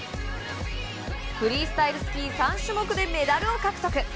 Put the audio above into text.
フリースタイル・スキー３種目でメダルを獲得。